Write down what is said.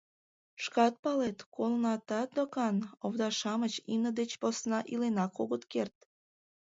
Шкат палет, колынатат докан: овда-шамыч имне деч посна иленак огыт керт...